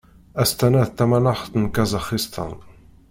Astana d tamanaxt n Kazaxistan.